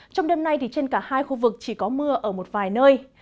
trong đêm nay trên cả hai khu vực chỉ có mưa ở một vài nơi